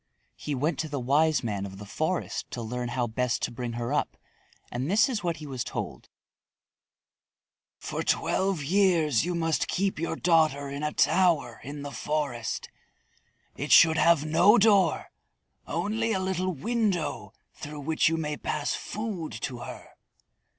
He went to the Wise Man of the Forest to learn how best to bring her up, and this is what he was told: "For twelve years you must keep your daughter in a tower in the forest. It should have no door, only a little window through which you may pass food to her.